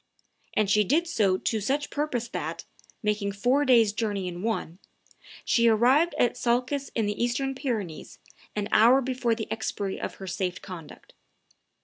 And she did so to such purpose that, "making four days' journey in one," she arrived at Salces, in the Eastern Pyrenees, an hour before the expiry of her safe conduct.